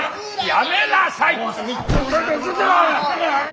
やめなさい！